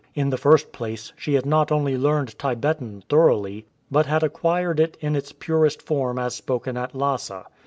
In the first place, she had not only learned Tibetan thoroughly, but had acquired it in its purest form as spoken at Lhasa.